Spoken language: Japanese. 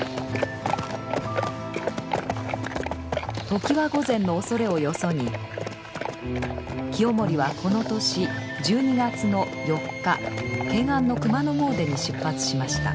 常磐御前の恐れをよそに清盛はこの年１２月の４日懸案の熊野詣でに出発しました。